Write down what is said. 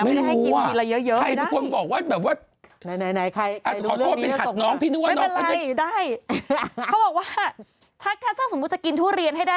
ไม่รู้ว่าใครบอกว่าแบบว่าขอโทษเป็นขัดน้องพี่นุ่ะน้องไม่ได้ไม่รู้ว่าเยอะไม่ได้